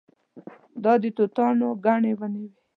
دا د توتانو ګڼې ونې وې.